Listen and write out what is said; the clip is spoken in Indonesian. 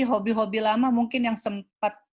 hobi hobi lama mungkin yang sempat